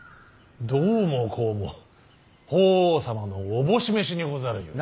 どうもこうも法皇様のおぼし召しにござるゆえ。